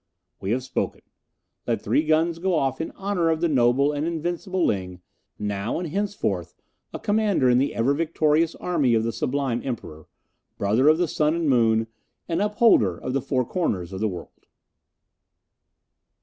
We have spoken. Let three guns go off in honour of the noble and invincible Ling, now and henceforth a commander in the ever victorious Army of the Sublime Emperor, brother of the Sun and Moon, and Upholder of the Four Corners of the World."